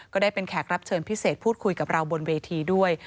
ได้เป็นแขกรับเชิญพิเศษพูดคุยกับเราบนเวทีด้วย